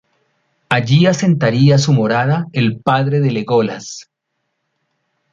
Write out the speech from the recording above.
Allí asentaría su morada el padre de Legolas.